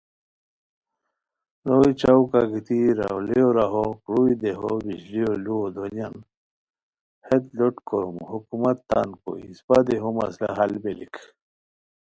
روئے چوکا گیتی راؤلیو راہو، کروئے دیہو بجلیو لُوؤ دونیان، ہیت لوٹ کوروم، حکومت تان کوئے، اسپہ دیہو مسئلہ حل بیلیک